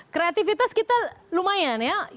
kreatifitas kita lumayan ya